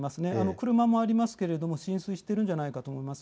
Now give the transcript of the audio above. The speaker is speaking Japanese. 車もありますけど浸水しているんじゃないかと思います。